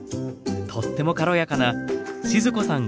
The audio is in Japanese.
とっても軽やかな静子さん